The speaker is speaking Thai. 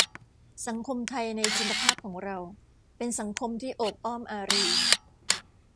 สังคมไทยในจินตภาพของเรา เป็นสังคมที่โอบอ้อมอารี